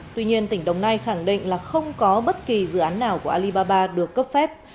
tuy nhiên tỉnh đồng nai khẳng định là không có bất kỳ dự án nào của alibaba được cấp phép